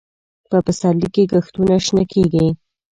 په پسرلي کې کښتونه شنه کېږي.